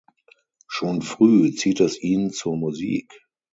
Schon früh zieht es ihn zur Musik.